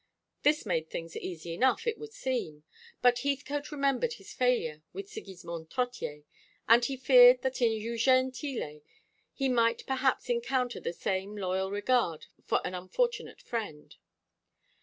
This made things easy enough, it would seem: but Heathcote remembered his failure with Sigismond Trottier, and he feared that in Eugène Tillet he might perhaps encounter the same loyal regard for an unfortunate friend.